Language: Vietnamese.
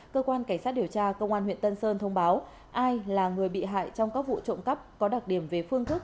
cơ quan cảnh sát điều tra công an huyện tân sơn thông báo ai là người bị hại trong các vụ trộm cắp có đặc điểm về phương thức